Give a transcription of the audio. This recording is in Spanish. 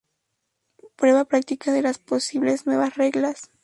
Prueba práctica de las posibles nuevas Reglas.